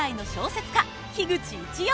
家口一葉。